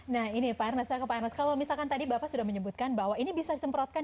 nah ini pak ernest kalau misalkan tadi bapak sudah menyebutkan bahwa ini bisa disemprotkan